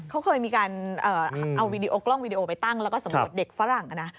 เขาเคยมีการเอากล้องวีดีโอไปตั้งแล้วก็สมมุติเด็กฝรั่งนะ